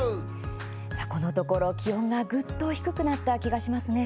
このところ、気温がぐっと低くなった気がしますね。